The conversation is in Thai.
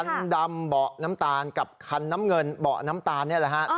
คันดำเบาะน้ำตาลกับคันน้ำเงินเบาะน้ำตาลนี่แหละฮะ